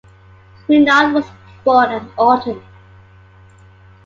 Renault was born at Autun.